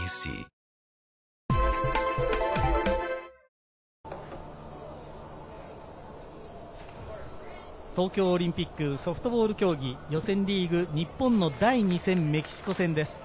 洗剤は東京オリンピックソフトボール競技、予選リーグ日本の第２戦メキシコ戦です。